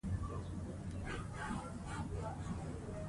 په پوهنتونونو کې یې علمي کړو.